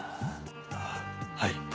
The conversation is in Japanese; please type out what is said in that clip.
あぁはい。